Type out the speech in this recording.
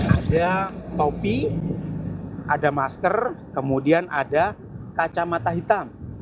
ada topi ada masker kemudian ada kacamata hitam